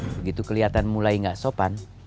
begitu keliatan mulai gak sopan